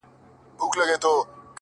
دومره ناهیلې ده چي ټول مزل ته رنگ ورکوي؛